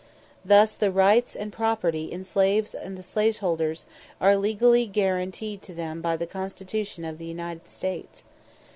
_Thus the rights and property in slaves of the slaveholders are legally guaranteed to them by the Constitution of the United States.